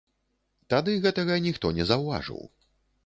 Тады гэтага ніхто не заўважыў.